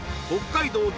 北海道